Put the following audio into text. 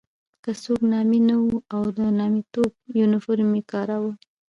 که څوک نامي نه وو او د نامیتوب یونیفورم یې کاراوه.